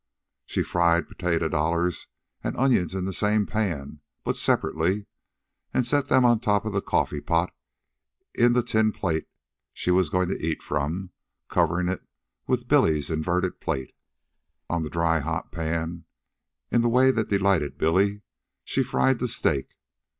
She fried potato dollars and onions in the same pan, but separately, and set them on top of the coffee pot in the tin plate she was to eat from, covering it with Billy's inverted plate. On the dry hot pan, in the way that delighted Billy, she fried the steak.